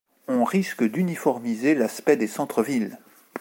On risque d'uniformiser l'aspect des centres-villes.